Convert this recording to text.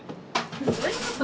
えっ？